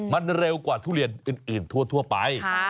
มันเร็วกว่าทุเรียนอื่นทั่วไป